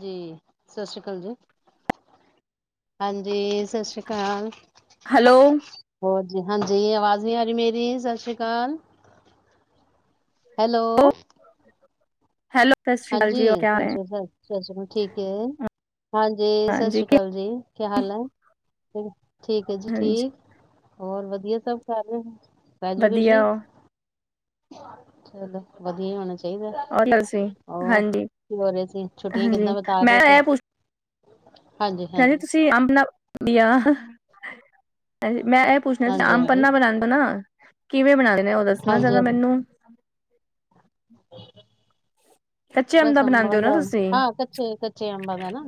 ਜੀ ਸਤਿ ਸ੍ਰੀ ਅਕਾਲ ਜੀ। ਹਾਂਜੀ ਸਤਿ ਸ੍ਰੀ ਅਕਾਲ ਹੈਲੋ ਹੋਤ। ਹਾਂਜੀ ਆਵਾਜ਼ ਵੀ ਆ ਰਹੀ ਮੇਰੀ ਸਤਿ ਸ੍ਰੀ ਅਕਾਲ। ਹੈਲੋ। ਹੈਲੋ ਸਤਿ ਹਾਂਜੀ ਸ਼੍ਰੀ ਅਕਾਲ ਜੀ ਕਿਆ ਸਤਿ ਹਾਲ ਹੈ ਸ਼੍ਰੀ ਅਕਾਲ ਸਤਿ ਸ਼੍ਰੀ ਅਕਾਲ ਠੀਕ ਹੈ। ਹਾਂਜੀ ਸਤਿ ਸ੍ਰੀ ਅਕਾਲ ਜੀ ਕਿਆ ਹਾਲ ਹੈ। ਤੇ। ਠੀਕ ਹੈ ਜੀ ਹਾਂਜੀ ਠੀਕ ਹੋਰ ਵਦੀਆ। ਇਹ ਸਭ ਕਰ ਰਹੇ। ਕਾਜੂ ਵਧੀਆ ਕਸ਼ੀ। ਹੋ ਚੱਲ ਵਧੀਆ ਹੋਣਾ ਚਾਹੀਦਾ। ਹੋਰ ਤੁਸੀ। ਹੋਰ ਹਾਂਜੀ ਕੀ ਹੋ ਰਹੇ ਸੀ ਛੁੱਟੀਆਂ ਹਾਂਜੀ ਕਿੱਦਾਂ ਬਿਤਾ ਰਹੇ ਮੈਂ ਫਿਰ ਇਹ ਪੁਛ। ਹਾਂਜੀ ਕਹਿੰਦੇ ਹਾਂਜੀ ਤੁਸੀਂ ਆਪਣਾ। ਏਹ ਹ। ਮੈਂ ਇਹ ਪੁੱਛਣਾ ਸੀ ਹਾਂਜੀ ਹਾਂਜੀ ਅਮਪਨਾ ਬਣਾਉਦਾ ਨਾ ਕਿਵੇਂ ਬਣਾਉਦਾ ਨੇ ਉਹ ਦੱਸਣਾ ਹਾਂਜੀ ਚਾਹੁੰਦਾ ਮੈਨੂੰ [inaudible] ਅੰਬ ਬਸ ਅੰਬਾਂ ਬਣਾਉਂਦੇ ਹੋ ਨਾ ਦਾ ਤੁਸੀਂ ਹਾਂ ਕੱਚੇ ਕੱਚੇ ਅੰਬਾਂ ਦਾ ਨਾ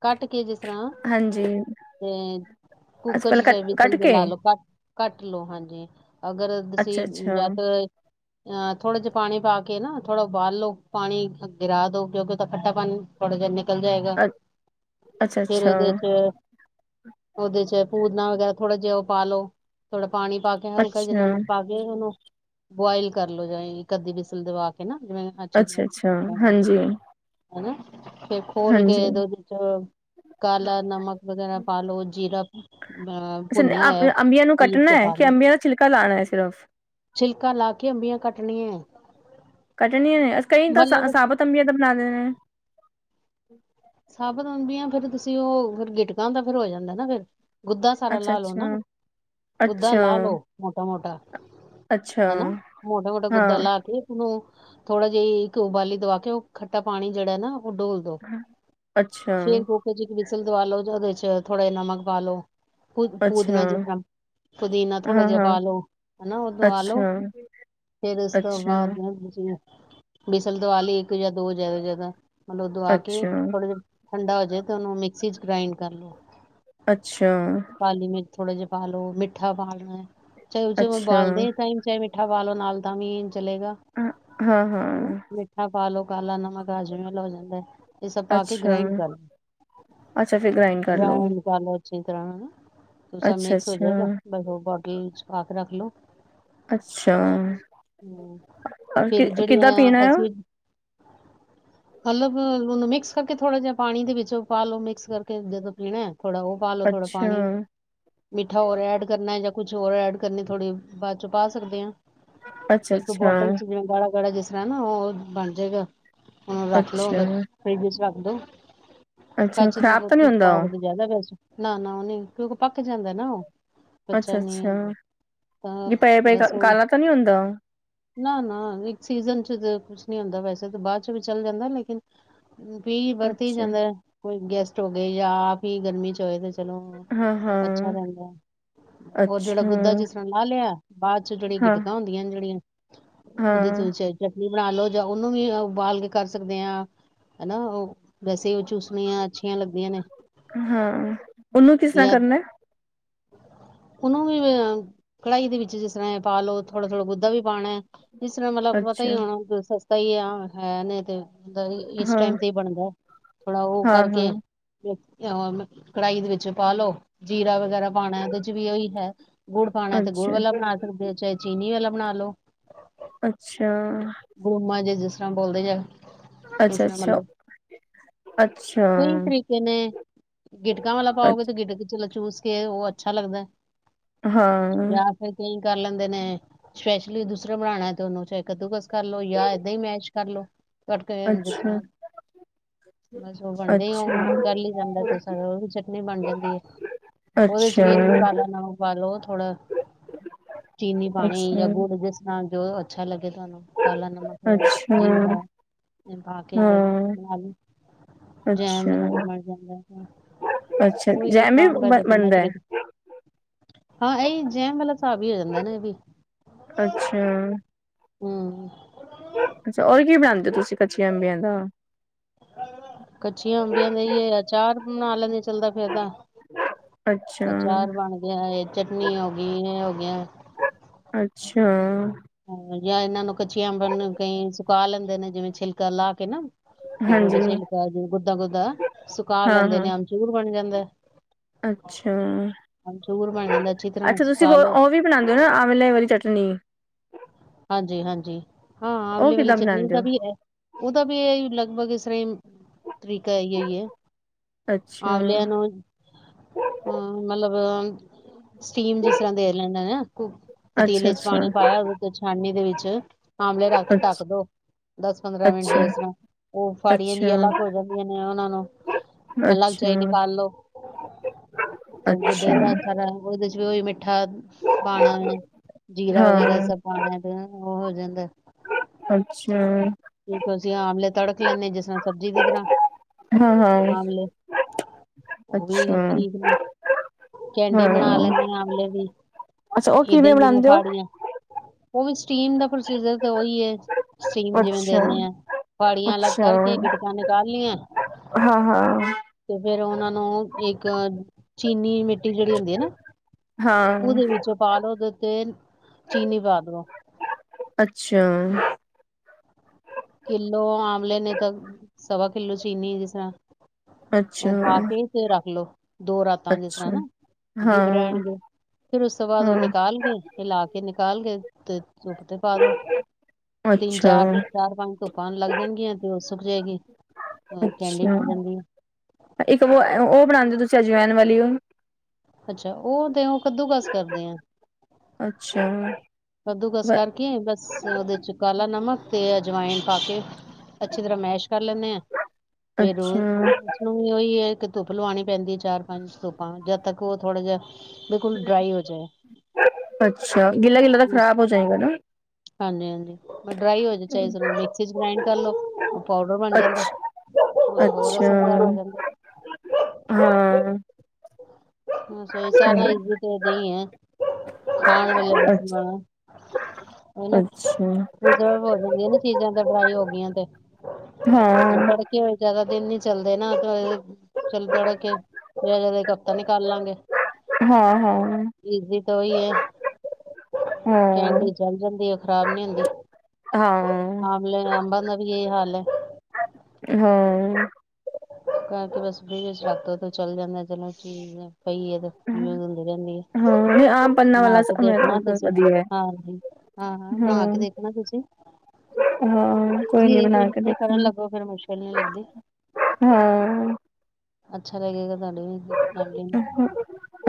ਕੱਟ ਕੇ ਜਿਸ ਤਰ੍ਹਾਂ ਹਾਂਜੀ ਤੇ ਅੱਛਾ ਕੁੂੱਕਰ ਚ ਪਹਿਲਾਂ ਕੱਟ ਚਵ ਕੱਟ ਤਲਦੇ ਕੇ ਲਾ ਲੋ ਕੱਟ ਕੱਟ ਲੋ ਹਾਂਜੀ ਅਗਰ ਅੱਛਾ ਤੁਸੀਂ ਅੱਛਾ ਜਾਂ ਅਹ ਥੋੜੇ ਜਿਹੇ ਪਾਣੀ ਪਾ ਕੇ ਨਾ ਥੋੜਾ ਉਬਾਲ ਲੋੋ ਪਾਣੀ ਗਿਰਾ ਦੋ ਕਿਉਂਕਿ ਉਹ ਖੱਟਾ ਥੋੜਾ ਜਿਹਾ ਨਿਕਲ ਜਾਏਗਾ ਅ ਅੱਛਾ ਫੇਰ ਅੱਛਾ ਉਹਦੇ ਚ ਉਹਦੇ ਚ ਪੂਤਨਾ ਵਗੈਰਾ ਥੋੜਾ ਜਿਹਾ ਪਾ ਲੋ ਥੋੜਾ ਪਾਣੀ ਪਾ ਕੇ ਹਲਕਾ ਜਿੰਨਾ ਅੱਛਾ ਨਮਕ ਪਾ ਦੇਉ ਏਨੂੰ ਬੁਆਇਲ ਕਰਲੋ ਜਾਂ ਇੱਕ ਅੱਧੀ ਬਿਸਲ ਦਵਾ ਕੇ ਨਾ ਅੱਛੀ ਅੱਛਾ ਤਰ੍ਹਾਂ ਅੱਛਾ ਹਾਂਜੀ [unintelligible] ਫਿਰ ਖੋਲ ਕੇ ਹਾਂਜੀ ਉਹਦੇ ਚ ਕਾਲਾ ਨਮਕ ਵਗੈਰਾ ਪਾ ਲੋ ਜੀਰਾ ਅ ਭੁੰਨਿਆ ਅੱਛਾ ਹੋਇਆ ਅੰਬੀਆਂ ਨੂੰ ਪੀਸ ਕੱਟਣਾ ਤੇ ਹੈ ਪਾ ਕਿ ਲੋ ਅੰਬੀਆਂ ਦਾ ਛਿਲਕਾ ਲਾਉਣਾ ਹੈ ਸਿਰਫ ਛਿਲਕਾ ਲਾ ਕੇ ਅੰਬੀਆਂ ਕੱਟ ੁਣੀ [unintelligible] ਕੱਟਣੀਆਂ ਨੇ ਕਈ ਤਾਂ ਸਾਬਤ ਤਮੀੀਆਂ ਦਾ ਬਣਾ ਦੇਣੇ ਸਾਬਤ ਆਉਂਦੀਆਂ ਫਿਰ ਤੁਸੀਂ ਉਹ ਫਿਰ ਗਿਟਕਾਾਂ ਫਿਰ ਹੋ ਜਾਂਦਾ ਨਾ ਫਿਰ ਗੁੱਦਾ ਸਾਰਾ ਲਾ ਲਓ ਨਾ ਗੁੱਦਾ ਲਾਹ ਲਓ ਮੋਟਾ ਮੋਟਾ ਹਨਾ ਮੋਟਾ ਮੋਟਾ ਗੁੱਦਾ ਲਾ ਕੇ ਉਸਨੂੰ ਥੋੜਾ ਜਿਹੀ ਇਕ ਊਬਾਲੀ ਦਵਾ ਕੇ ਉਹ ਖੱਟਾ ਪਾਣੀ ਜਿਹੜਾ ਨਾ ਉਹ ਡੋਲ ਦੋ ਫੇਰ ਕੂਕ ਹੋ ਜੇਗੀ ਵਿੱਚ ਵਿਸਲ ਦਵਾ ਲੋ ਉਹਦੇ ਚ ਥੋੜ੍ਹਾ ਜਿਹਾ ਨਮਕ ਪਾ ਲੋ ਪੁਦੀਨਾ ਜਿਸਨਾ ਪੁਦੀਨਾ ਥੋੜ੍ਹਾ ਜਿਹਾ ਪਾਾਲੋ ਹਨਾ ਉਹ ਦਆ ਲੋ ਫੇਰ ਉਸ ਤੋਂ ਬਾਅਦ ਤੁਸੀਂ ਵਹਿਸਲ ਦਵਾ ਲੀ ਇੱਕ ਇੱਕ ਜਾਂ ਦੋ ਜਿਆਦਾ ਜਿਆਦਾ ਮਤਲਬ ਦਵਾ ਕੇ ਥੋੜੇ ਜ ਠੰਡਾ ਹੋ ਜਾੇ ਤੇ ਉਹਨੂੰ ਮਿਕਸੀ ਚ ਗ੍ਰਈੰਡ ਕਰ ਲੋ ਅੱਛਾ ਥੋੜ੍ਹੇ ਜਿਹੇ ਪਾ ਲੋ ਮਿੱਠਾ ਪਾ ਲਣਾ ਚਾਹੇ ਉਹੋਂ ਮੈਂ ਉਬਾਲਦੇ ਟਮ ਚਾਹੇ ਮਿੱਠਾ ਵਾਲੋਂ ਨਾਲ ਦਾਣੀ ਵੀੀ ਚਲੇਗਾ ਹਨਾ ਮੇਠਾ ਪਾ ਲੋਓ ਕਾਲਾ ਨਮਕ ਹਾਜ਼ਮੇ ਲੱਗ ਜਾਂਦਾ ਏ ਅੱਛਾ ਅੱਛਾ ਫਿਰ ਗ੍ਰਾਈੰਡ ਕਰ ਲੋ ਚ ਤਰਾ ਤੂੰ ਸਬ ਅੱਛਾ ਮਿਕਸ ਹੋ ਅੱਛਾ ਜਾਏਗਾ ਬਰੋਬਰ ਸਾਥ ਰੱਖ ਲੋੋ। ਅੱਛਾ ਹਮ, ਕਿ ਫਿਰ ਕਿੱਦਾਂ ਜਿਹੜੀਆਂ ਪੀਣਾ ਆ। ਅਸੀਂ ਮਤਲਬ ਹੁਣ ਮਿਕਸ ਕਰਕੇ ਥੋੜਾ ਜਿਹਾ ਪਾਣੀ ਦੇ ਵਿੱਚੋਂ ਪਾਾਲੋ ਮਿਕਸ ਕਰਕੇ ਜਦੋਂ ਪੀਣਾ ਥੋੜਾ ਉਹ ਪਾ ਲ ਲੋ ਥੋੜਾ ਅੱਛਾ ਪਾਣੀ ਮਿੱਠਾ ਰ ਐਡ ਕਰਨਾ ਜਾਂ ਕੁਛ ਹੋਰ ਐਡ ਕਰਨੀ ਥੋੜੀ ਬਾਕੀ ਚ ਪਾ ਸਕਦੇ ਹਾਂ ਅੱਛਾ ਇੱਕ ਅੱਛਾ ਬੋਟਲ ਚ ਜਿਵੇਂ ਗਾੜਾ ਗਾੜਾ ਜਿਸ ਨਾ ਉਹ ਬਣ ਜਾਏਗਾ। ਉਹ ਨੂੰ ਰੱਖਲੋ ਅੱਛਾ ਫਰਿਜ ਚ ਰਖ ਲੋ। ਅੱਛਾ ਕਾਛੀ ਦੀ ਖ਼ਰਾਬ ਤਾਂ ਨਹੀਂ ਬੋਤਲ ਚ ਹੁੰਦਾ ਪਾਓਗੇ ਤਾ ਉਹ ਜ਼ਿਆਦਾ ਬੈਸਟ ਐ। ਨਾ ਨਾ ਉਹ ਨਹੀਂ ਕਿਉਂਕਿ ਪੱਕ ਜਾਂਦਾ ਨਾ ਉਹ ਕੱਚਾ ਅੱਛਾ ਅੱਛਾ ਨਿੰਬੂ ਤਾਂ ਜੇ ਪਏ ਪਏ ਬਸ ਉਹ ਕਾਲਾ ਤਾਂ ਨਹੀਂ ਹੁੰਦਾ ਨਾ ਨਾ ਇੱਕ ਸੀਜਨ ਚ ਨਹੀਂ ਹੁੰਦਾ ਵੈਸੇ ਤਾਂ ਬਾਅਦ ਚ ਵੀ ਚੱਲ ਜਾਂਦਾ ਲੇਕਿਨ ਵਰਤੀ ਹੀ ਅੱਛਾ ਜਾਂਦਾ ਕੋਈ ਗੈਸ ਹੋ ਗਏ ਜਾਂ ਗਰਮੀ ਚ ਹੋਏ ਚਲੋ ਹਾਂ ਅੱਛਾ ਹਾਂ ਰਹਿੰਦਾ ਰ ਜਿਹੜਾ ਅੱਛਾ ਗੁੱਦਾ ਜਿਸ ਤਰ੍ਹਾਂ ਸਾਭ ਲਿਆ ਬਾਅਦ ਚ ਜਿਹੜੀ ਹਾਂ ਗਿਟਕਾਂ ਹੁੰਦੀਆਂ ਨੇ ਜਿਹੜੀਆਂ ਉਹਦੇ ਹਾਂ ਚ ਵੀ ਬਣਾ ਲਓ ਜਾਂ ਉਹਨੂੰ ਵੀ ਉਬਾਲ ਕੇ ਕਰ ਸਕਦੇ ਹਾਂ। ਹਨਾ ਉਹ ਵੈਸੇ ਉਹ ਚੂਸਣੀਆਂ ਅੱਛੀਆਂ ਲੱਗਦੀਆਂ ਨੇ। ਹਾਂ ਉਹਨੂੰ ਕਿਸ ਤਰ੍ਹਾਂ ਯਾ ਕਰਨਾ ਹੈ? ਉਹਨੂੰ ਵੀ ਕੜਾਹੀ ਦੇ ਵਿੱਚ ਜਿਸ ਤਰ੍ਹਾਂ ਇਹ ਪਾਲਓ ਥੋੜਾ ਥੋੜਾ ਗੁੱਧਾ ਵੀ ਪਾਉਣਾ ਹੈ ਜਿਸ ਤਰ੍ਹਾਂ ਮਤਲਬ ਪਤਾ ਹੀ ਅੱਛਾ ਹੋਣਾ ਸਹੀ ਆ ਹੈ ਨੇ ਤੇ। ਹੁੰਦਾ ਇਸ ਹਾਂ ਟਾਈਮ ਤੇ ਹੀ ਬਣਦਾ ਥੋੜਾ ਉਹ ਹਾਂ ਹਾਂ ਕਰਕੇ ਕੜਾਹੀ ਦੇ ਵਿੱਚ ਪਾਾਲਓ ਜੀਰਾ ਵਗੈਰਾ ਪਾਣਾ ਉਹਦੇ ਚ ਵੀ ਉਹੀ ਹੈ ਗੁੜ ਪਾਣਾ ਤੇ ਗੁੜ ਅੱਛਾ ਵਾਲਾ ਬਣਾ ਸਕਦੇ ਹੋ ਚਾਹੇ ਚੀਨੀ ਵਾਲਾ ਬਣਾ ਲੋ। ਅੱਛਾ। ਗੁੜਮਾ ਜੇ ਜਿਸ ਤਰ੍ਹਾਂ ਬੋਲਦੇ ਆ। ਇਸ ਤਰ੍ਹਾਂ ਅੱਛਾ ਮਤਲਬ ਅੱਛਾ ਸਹੀ ਤਰੀਕੇ ਨੇ ਗਿੱਟਕਾਂ ਵਾਲਾ ਅੱਛਾ ਅੱ ਪਾਓਗੇ ਤੇ ਗਿੱਟਕ ਚ ਚੂਸ ਕੇ ਉਹ ਅੱਛਾ ਲੱਗਦਾ। ਹਾਂ। ਜਾਂ ਫਿਰ ਕਈ ਕਰ ਲੈਂਦੇ ਨੇ ਸਪੈਸ਼ਲੀ ਦੂਸਰਾ ਬਣਾਉਣਾ ਤੇ ਉਹਨੂੰ ਚਾਹੇ ਕੱਦੂਕ ਕਰਲੋ ਜਾਂ ਇਏਦਾਂ ਹੀ ਮੈਚ ਕਰਲਓ ਤੜਕੇ ਜਿਸ ਅੱਛਾ ਤਰ੍ਹਾਂ ਬਸ ਉਹ ਬਣਦੇ ਹੀ ਅੱਛਾ ਉਹ ਕਰ ਲਈ ਜਾਂਦਾ ਤ ਉਹ ਵੀ ਚਟਨੀ ਬਣ ਜਾਂਦੀ ਹੈ ਉਹਦੇ ਅੱਛਾ ਵੀ ਅਸੀਂ ਕਾਲਾ ਨਾ ਪਾ ਲੋਓ ਥੋੜਾ ਚੀਨੀ ਪਾਉਣੀ ਅੱਛਾ ਜਾਂ ਗੁੜ ਜਿਸ ਜੋ ਅੱਛਾ ਲੱਗਦਾ ਤੁਹਾਨੂੰ ਕਾਲਾ ਨਮਕ ਅੱਛਾ ਜੀਰਾ ਤੇ ਪਾ ਕੇ ਉਹ ਹਾਂ ਜੈਮ ਵਗੈਰਾ ਅੱਛਾ ਮਰ ਜਾਂਦਾ ਅੱਛਾ ਉਹੀ ਜੈਮ ਵੀ ਕੰਮ ਬ- ਜਿੰਨਾ ਬਣਦਾ ਹੈ ਤੇ ਹਾਂ ਇਹਹੀ ਜੈਮ ਵਾਲਾ ਹਿਸਾਬ ਹੀ ਹੋ ਜਾਂਦਾ ਨਾ ਇਹ ਵੀ ਅੱਛਾ ਹਮ ਕੱਚੀਆਂ ਅੰਬਿਆਂ ਦਾ ਕੱਚੀਆਂ ਅੰਬੀਆਂ ਦੇਈਏ ਆ ਚਾਰ ਨਾਲਦੇ ਚੱਲਦਾ ਫੇਿਰ ਤਾਂ ਅੱਛਾ ਅਚਾਰ ਬਣ ਗਿਆ ਇਹ ਚਟਨੀ ਹੋ ਗਈ ਇਹ ਹੋਗ ਹ ਅੱਛਾ ਜਾਂ ਇਹਨਾਂ ਨੂੰ ਕੱਚੀਆਂਪਨ ਕਈ ਸੁਕਾ ਲੈਂਦੇ ਨੇ ਜਿਵੇਂ ਛਿਲਕਾ ਲਾ ਕੇ ਨਾ ਮੋਟੇ ੋਟੇ ਹਾਂਜੀ ਝੇਲਕਾ ਜ ਗੁੱਦਾ ਗੁੱਦਾ ਸੁਕਾ ਲੈਂਦੇ ਹਾਂ-ਹਾਂ ਨੇ ਅਮਚੂਰ ਬਣ ਜਾਂਦਾ ਅੱਛਾ, ਅਮਚੂਰ ਬਣ ਜਾਂਦਾ ਅੱਛੀ ਤਰ੍ਹਾਂ ਅੱਛਾ ਤੁਸੀਂ ਸੁਕਾ ਲੋ ਉਹ ਵੀ ਬਣਾਉਂਦੇ ਹੋ ਨਾ ਆਵਲੇ ਵਾਲੀ ਚਟਨੀ ਹਾਂਜੀ ਹਾਂਜੀ ਹਾਂ ਉਹ ਆਵਲੇ ਵਾਲੀ ਕਿੱਦਾਂ ਚਟਨੀ ਬਣਾਉਂਦੇ ਦਾ ਹੋ? ਵੀ ਹੈ ਉਹਦਾ ਵੀ ਇਹ ਲੱ ਵਗ ਸਰੇ ਤਰੀਕਾ ਇਹ ਹੀ ਹੈ ਅੱਛਾ, ਆਵਲਿਆਂ ਨੂੰ ਹਮ ਮਤਲਬ ਅ ਸਟੀਮ ਜਿਸ ਤਰ੍ਹਾਂ ਦੇਰ ਲੈਂਦਾ ਹਨਾ ਪਤੀਲੇ ਚ ਅੱਛਾ-ਅੱਛਾ, ਪਾਣੀ ਪਾਇਆ ਉਹਦੇ ਤੋਂ ਛਾਨਣੀ ਦੇ ਵਿੱਚ ਆਮਲੇ ਰੱਖ ਕੇ ਢੱਕ ਅੱਛਾ, ਦੋ ਦਸ ਪੰਦਰਾਂ ਮਿੰਟ ਅੱਛਾ, ਜਿਸ ਤਰ੍ਹਾਂ ਉਹ ਫਾੜੀਆਂ ਅੱਛਾ, ਜਿਹੀਆਂ ਅਲੱਗ ਹੋ ਜਾਂਦੀਆਂ ਨੇ ਉਹਨਾਂ ਨੂੰ ਅੱਛਾ, ਅਲੱਗ ਜਾ ਹੀ ਅੱਛਾ ਨਿਕਾਲ ਲੋ ਤੇ ਗੁਦੇ ਅੱਛਾ ਦਾ ਖਰਾ ਉਹਦੇ ਚ ਵੀ ਉਹੀ ਮ ਮਿੱਠਾ ਪਾਉਣਾ, ਜੀਰਾ ਵਗੈਰਾ ਹਾਂ ਸਾ ਪਾਣਾ, ਤੇ ਉਹ ਰਹਿੰਦਾ ਅੱਛਾ ਠੀਕ ਸੀਂ, ਆਮਲੇ ਤੜਕ ਰੱਖ ਲੈਂਦੇ ਹ, ਜਿਸ ਤਰ ਸਬਜ਼ੀ ਦੀ ਤਰ੍ਹਾਂ ਹਾਂ-ਹਾਂ ਆਮਲੇ, ਉਹ ਵੀ ਅੱਛਾ ਠੀਕ ਨੇ। ਕੈਂਡੀ ਬਣਾ ਹਾਂ ਲੈਂਦੇ ਆਮਲੇ ਦੀ, ਅੱਛਾ ਉਹ ਏਦਾਂ ਕਿਵੇਂ ਹੀ ਮੈਂ ਬਣਾਉਂਦੇ ਹੋ? ਫਾੜੀੀਆਂ ਉਹ ਵੀ, ਸਟੀਮ ਦਾ ਪ੍ਰੋਸੀਜਰ ਤਾਂ ਉਹੀ ਹੈ। ਸੀਨ ਜਿਵੇਂ ਅੱਛਾ, ਦਿੰਦੇ ਆ, ਪੜੀਆਂ ਅਲੱਗ ਅੱਛਾ ਕਰਕੇ ਗਿਟਕਾਂ ਨਿਕਾਲ ਲਈੀਆਂ, ਹਾਂ-ਹਾਂ, ਤੇ ਫੇਿਰ ਉਹਨਾਂ ਨੂੰ ਇੱਕ ਚੀਨੀ ਮ ਰੋਟੀ ਜਿਹੜੀ ਹੁੰਦੀ ਹੈ ਨਾ, ਹਾਂ ਉਹਦੇ ਹਾਂ ਵਿੱਚੋਂ ਪਾਲੋ ਦੇ ਤੇ, ਚੀਨੀ ਪਾ ਦੋ ਅੱਛਾ, ਕਿੱਲੋ ਆਮਲੇ ਨੇ ਤਾਂ ਸਵਾ ਕਿੱਲੋ ਚੀਨੀ ਜਿਸ ਤਰ੍ਹਾਂ, ਅੱਛਾ, ਉਹ ਪਾ ਕੇ, ਤੇ ਰੱਖ ਲੋੋ। ਦੋ ਰਾਤਾਂ ਜਿਸ ਤਰ੍ਹਾਂ ਨਾ, ਅੱਛਾ ਡਿਬ ਹਾਂ-ਹਾਂ ਰਹਿਣਗੇ, ਫੇਰ ਉਸ ਤੋਂ ਬਾਅਦ ਉਹ ਨਿਕਾਲ ਗਏ, ਹਿਲਾ ਕੇ ਕਾਲ [unintelligible] ਧੁੱਪ ਤੇ ਪਾ ਦੋ, ਤਿੰਨ ਚਾਰ ਅੱਛਾ, ਚਾਰ ਪੰਜ ਧੁੱਪ ਆਂ ਲੱਗ ਜਾਣਗੀਆਂ, ਤੇ ਉਸ ਸ਼ੁਕ ਜਾਏਗੀ ਜੀ। ਅੱਛਾ ਇੱਕ ਉਹ, ਉਹ ਬਣਾਦੇ ਤੁਸੀਂ ਜਾਏ ਜਵੈਨ, ਵਾਲੀ ਔ। ਅੱਛਾ, ਉਹ ਤੇ ਕੱਦੂ ਕਸ ਕਰਦੇ ਆ। ਅੱਛਾ ਕੱਦੂ ਕਸ ਕਰਕੇ ਬਸ ਉਹਦੇ ਚ ਕਾਲਾ ਨਮਕ ਤੇ ਅਜਵਾਇਨ ਪਾ ਕੇ ਅੱਛੀ ਤਰ੍ਹਾਂ ਮੈਸ਼ ਕਰ ਲੈਂਦੇ ਆ ਫੇਰ ਅੱਛਾ ਉਸਨੂੰ ਵੀ ਉਹੀ ਇੱਕ ਧੁੱਪ ਲਵਾਣੀ ਪੈਂਦੀ ਹੈ, ਚਾਰ ਪੰਜ ਧੁੱਪਾ, ਜਦ ਤੱਕ ਉਹ ਥੋੜਾ ਜਿਹਾ ਬਿਲਕੁਲ ਡਰਾਈ ਹੋ ਜਾਏ ਅੱਛਾ ਗਿੱਲਾ-ਗਿੱਲਾ, ਖਰਾਬ ਹੋਜੇਗੇ ਨਾ? [unintelligible] ਹਾਂਜੀ-ਹਾਂਜੀ, ਡਰਾਈ ਹੋਜੇ ਚਾਏ ਹਰੇਕ ਚੀਜ ਗ੍ਰਾਈੰਡ ਕਰਲੋ, ਅੱਛਾ-ਅੱਛਾ, ਅਸਰਦਾਰ ਹੋ ਜਾਂਦਾ ਹਾਂ। ਸੋ, ਸਾਰਾ ਈਜ਼ੀ ਤੋਂ ਇਹਦੇ ਹੀ ਹੈ। ਖਾਣ ਵੇਲੇ ਨੁੰ ਅੱਛਾ ਪੁੱਛਣਾ ਨਾ ਹੈਨਾ, ਅੱਛਾ ਰਿਜ਼ਰਵ ਹੋ ਜਾਂਦੀ ਨਾ ਚੀਜ਼ਾਂ ਤੇ ਫਰਾਈ ਹੋ ਗਈਆਂ ਤੇ ਹਾਂ। ਤੜਕੇ ਹੋਏ ਜ਼ਿਆਦਾ ਦਿਨ ਨਹੀਂ ਚੱਲ [unintelligible] ਨਿਕਾਲਾਂਗੇ ਹਾਂ ਹਾਂ ਈਜ਼ੀ ਤਾਂ ਓਹੀ ਹੈ ਹਾਂ ਕੈਂਡੀ ਚਲ ਜਾਂਦੀ ਏ, ਖ਼ਰਾਬ ਨੀ ਹੁੰਦੀ ਹਾਂ ਆਮਲੇ, ਅੰਬਾਂ ਦਾ ਵੀ ਕੀ ਹਾਲ ਹੈ? ਹੂੰ। ਘਰ ਤੇ ਬਸ ਬ ਅਈਔ ਹਿਸਾਬ [unintelligible] ਚਲ ਜਾਂਦੈ ਚਲੋ ਠੀਕ ਆ। ਪਈ ਏ ਤੇ ਯੂਜ ਹੁੰਦੀ ਰਹਿੰਦੀ ਏ। ਹਾਂ ਨਹੀਂ ਆਮ ਪੰਨਾ ਬਣਾ ਵਾਲਾ ਕੇ ਦੇਖਣਾ ਤੁਸੀ। ਵਧੀਆ ਹੈ ਹਾਂਜੀ, ਹਾਂ-ਹਾਂ ਬਣਾ ਹਾਂ ਕੇ ਦੇਖਣਾ ਤੁਸੀ। ਹਾਂ ਈਜੀ ਏ ਕੋਈ ਬਣਾ ਨੀ, ਕੇ [unintelligible] ਕਰਨ ਦੇਖਾਂਗੇ ਲੱਗੋ ਫੇਰ ਮੁਸ਼ਕਿਲ ਨੀ ਲੱਗਦੀ। ਹਾਂ ਅੱਛਾ ਲੱਗੇਗਾ ਤੁਆ ਇੱਕ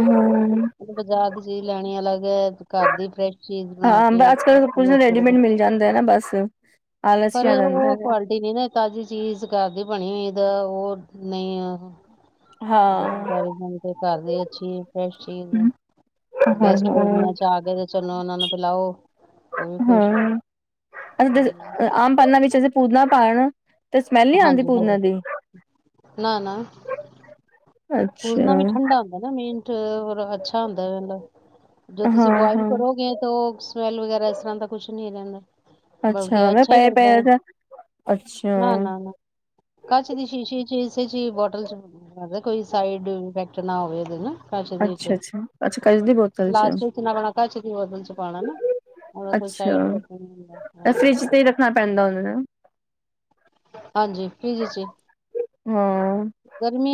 ਹਾਂ ਬਾਜ਼ਾਰ ਦੀ ਚੀਜ਼ ਲੈਣੀ ਅਲੱਗ ਐ, ਘਰ ਦੀ ਫਰੈਸ਼ ਚੀਜ਼ ਬਣਾ ਹਾਂ ਕੇ ਅੱਜ ਕੱਲ ਕੁਝ ਯੂਜ ਰੈਡੀਮੇਡ ਕਰੋ [unintelligible] ਮਿਲ ਜਾਂਦਾ ਹੈ ਨਾ ਬਸ ਆਲਸ ਪਰ ਹੀ ਆ ਇਹ ਜਾਂਦਾ ਔ ਹੈਗਾ ਕੁਆਲਿਟੀ ਨੀ ਨਾ ਤਾਜ਼ੀ ਚੀਜ਼ ਘਰ ਦੀ ਬਣੀ ਹੋਈ ਦਾ ਹੋਰ ਨਈ ਆ ਹਾਂ ਦੁਕਨਦਾਰੀ ਨਾਲੋ ਤੇ ਘਰ ਦੀ ਅੱਛੀ ਏ ਫ੍ਰੈਸ਼ ਚੀਜ, ਗੈਸਟ ਗਰਮੀਆਂ ਚ ਆ ਗਏ ਤੇ ਚਲੋ ਔਹਨਾਂ ਨੂੰ ਪਿਲਾਔ, ਔ ਵੀ ਖੁਸ਼, ਹਾਂਜੀ। ਤੇ ਸਮੈਲ ਨੀ ਆਂਦੀ ਹਾਂਜੀ ਪੁਦਨੇ ਹਾਂਜੀ ਦੀ ਅੱਛਾ ਪੁਦਨਾ ਵੀ ਠੰਡਾ ਹੁੰਦਾ ਏ ਨਾ ਮੇਨ ਤੇ ਹੋਰ ਅੱਛਾ ਹੁੰਦੈ ਇਹ ਮਤਲਬ ਜੋ ਤੁਸੀ ਹਾਂ ਬੁਆਇਲ ਹਾਂ ਕਰੋਗੇ ਤੋ ਸਮੈਲ ਵਗੈਰਾ ਇਸ ਤਰ੍ਹਾਂ ਦਾ ਕੁਛ ਨੀ ਰਹਿੰਦਾ। ਬਲਕਿ ਮੈਂ ਅੱਛਾ ਈ ਪਏ ਲੱਗਦਾ ਪਏ ਐ। ਅੱਛਾ ਅੱਛਾ ਨਾ-ਨਾ-ਨਾ, ਕੱਚ ਦੀ ਸ਼ੀਸ਼ੀ ਚ ਇਸੇ ਚੀ ਬੋਟਲ ਚ ਪਾ ਦੇ ਕੋਈ ਸਾਈਡ ਇਫੈਕਟ ਨਾ ਹੋਵੇ ਉਹਦੇ ਨਾ ਕੱਚ ਦੀ ਇੱਚ। ਅੱਛਾ ਅੱਛਾ ਕੱਚ ਦੀ ਬੋਤਲ ਪਲਾਸਟਕ ਚ ਨਾ ਪਾਨਾ, ਕੱਚ ਦੀ ਬੋਤਨ ਚ ਪਾਣਾ ਨਾ, ਔਰਾ ਕੋਈ ਅੱਛਾ ਸਾਈਡ ਇਫ਼ੇਕਟ ਨੀ ਹੁੰਦਾ। ਫਰਿਜ ਤੇ ਹੀ ਰੱਖਣਾ ਪੈਂਦਾ ਉਹਨਾਂ ਨੂੰ ਹਾਂਜੀ। ਫਰਿੱਜ ਇੱਚ ਈ ਹਾਂ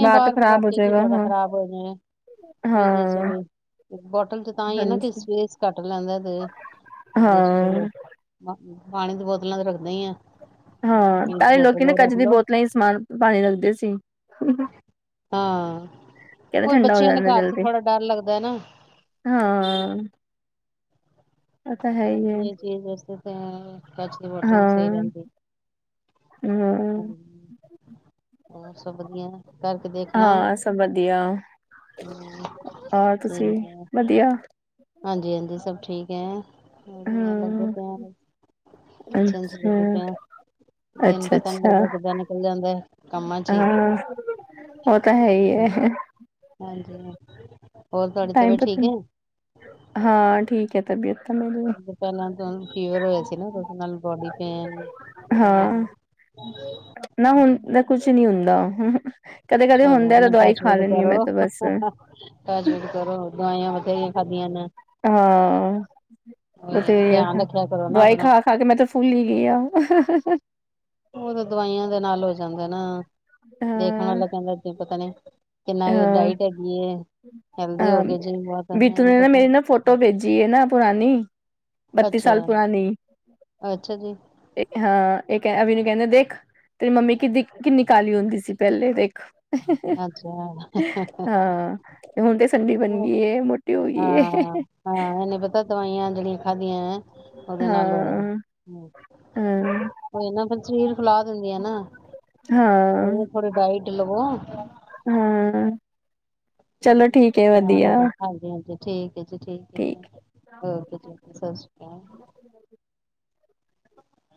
ਬਾਰ ਤੇ ਖ਼ਰਾਬ ਹੋ ਤੇ ਕੀ ਜਾਏਗਾ ਫਾਇਦਾ ਹਾਂ ਖ਼ਰਾਬ ਹੋ ਜਾਏ ਜੇ, ਫਰਿੱਜ ਵਿੱਚ ਹਾਂ ਬੀ ਤੇ ਬੋਟਲ ਤੇ ਤਾਂ ਈ ਏ ਨਾ ਕਿ ਹਾਂਜੀ ਸਪੇਸ ਘੱਟ ਲੈਂਦਾ ਤੇ ਉਹਂਦੇ ਚ ਚਲੋ ਹਾਂ ਪਾਣੀ ਦੀ ਬੋਤਲਾਂ ਤੇ ਰੱਖਦੇ ਈ ਆਂ। ਹਾਂ, ਪਹਿਲੇ ਲੋਕੀ ਨਾ ਕੱਚ ਦੀ ਲਓ ਬੋਤਲਾਂ ਈ ਸਮਾਨ, ਪ ਪਾਣੀ ਰਖਦੇ ਸੀ। ਹਾਂ। ਕੈਂਦੇ ਕੋਈ ਠੰਡਾ ਹੋ ਬੱਚਿਆਂ ਦੇ ਜਾਂਦੈ ਘਰ ਚ ਜਲਦੀ। ਥੋੜਾ ਡਰ ਲੱਗਦਾ ਹੈ ਨਾ ਹਾਂ। ਉਹ ਤਾਂ ਹੈ ਹੀ ਹੈ ਬਾਕੀ ਇਹ ਚੀਜ਼ ਵੈਸੈ ਤੇ ਹੈ ਕਚ ਦੀ ਬੋਟਲ ਵੀ ਸਹੀ ਹਾਂ, ਰਹਿੰਦੀ। ਹਾਂਜ ਹੂੰ, ਹੋਰ ਸਭ ਵਧੀਆ ਐ। ਹਾਂ, ਸਭ ਵਧੀਆ। ਹੂੰ ਔਰ ਤੁਸੀ, ਵਧੀਆ। ਹਾਂਜੀ-ਹਾਂਜੀ ਸਭ ਠੀਕ ਐ। ਵਧੀਆ। ਲੱਗੇ ਹਾਂ, ਪਏ ਆਂ ਬਸ ਕਿਚਨ ਚ ਲੱਗੇ ਅੱਛਾ, ਪਏ ਆਂ। ਦਿਨ ਪਤਾ ਨੀ ਅੱਛਾ-ਅੱਛਾ ਲੱਗਦਾ ਕਿੱਦਾਂ ਨਿਕਲ ਜਾਂਦਾ ਐ। ਹਾਂ, ਔ ਤਾਂ ਹੈ ਈ ਏ। ਹਾਂਜੀ ਹੋਰ ਤੁਹਾਡੀ ਟਾਈਮ ਤਬੀਅਤ ਠੀਕ ਤਾਂ, ਹੈ ਹਾਂ ਠੀਕ ਐ ਤਬੀਅਤ। ਤਾਂ ਮੇਰੀ ਵੀ, ਪਹਿਲਾਂ ਤਾ ਫੀਵਰ ਹੋਇਆ ਸੀ ਨਾ ਤਾ ਓਦੇ ਨਾਲ ਬੋਡੀ ਪੇਨ ਵਗੈਰਾ। ਹਾਂ ਨਾ ਹੁਣ ਦਾ ਹਮ। ਕਦੇ ਕਦੇ ਚਲੋ ਹੁੰਦਾ ਏ ਤਾਂ ਹੁਣ ਦਵਾਈ ਖਾ ਲੈਂਨੀ ਹਾ ਮੈਂ ਤਾਂ ਬਸ ਟਚ ਵੁਡ ਕਰੋ ਬਾ ਏਂ ਹਾਂ ਉਹੀ ਹੈ, ਤੇ ਧਿਆਨ ਰੱਖਿਆ ਕਰੋ ਨਾ ਦਵਾਈ ਆਪਣਾ ਖਾ ਖਾ ਕੇ ਮੈਂ ਤੇ ਫੁੱਲ ਹੀ ਗਈ ਆ। ਉਹ ਤਾਂ ਦਵਾਈਆਂ ਦੇ ਨਾਲ ਹੋ ਜਾਂਦਾ ਨਾ। ਦੇਖਣ ਵਾਲਾ ਕਹਿੰਦਾ ਜੇ ਪਤਾ [unintelligible] ਅ ਡਾਇਟ ਹੈਗੀ ਏ ਹੈਲਦੀ ਹੋ ਆ ਗਏ ਜੀ ਬਹੁਤ ਬੀਤੂ ਇਹਨੇ ਨੇ ਨਾ ਪਤਾ ਮੇਰੀ ਨਾ ਫੋਟੋ ਭੇਜੀ ਹੈ ਨਾ ਪੁਰਾਨੀ ਬੱਤੀ ਅੱਛਾ ਸਾਲ ਪੁਰਾਨੀ ਅੱਛਾ ਜੀ ਹਾਂ ਇਹ ਕਹ ਵੀ ਕਹਿੰਦੇ ਦੇਖ ਤੇਰੀ ਮੰਮੀ ਕਿੱਦੀ ਕਿੰਨੀ ਕਾਲੀ ਹੁੰਦੀ ਸੀ ਪਹਿਲੇ ਦੇਖ। ਅੱਛਾ। ਹਾਂ ਹੁਣ ਤੇ ਸੰਡੀ ਬਣ ਗਈ ਏ ਮੋਟੀ ਹੋ ਗਈ ਏ। ਹਾਂ ਇਹਨੇ ਪਤਾ ਦਵਾਈਆਂ [unintelligible] ਉਹਦੇ ਨਾਲ ਹੋਇਆ ਹਾਂ ਹੈ। ਹਾਂ ਔਈ ਨਾ ਫੇਰ ਸਰੀਰ ਫਲਾ ਦਿੰਦਿਆ ਨਾ ਕੋਈ ਹਾਂ ਨਾ ਥੋੜੀ ਡਾਇਟ ਲਵੋ। ਹ ਹਾਂ। ਚਲੋ । ਠੀਕ ਹੈ [unintelligible] ਵਧੀਆ ਠੀਕ। ਜੀ ਠੀਕ ਹੈ ਓਕੇ ਜੀ ਸਤਿ ਸ਼੍ਰੀ ਅਕਾਲ। [inaudible]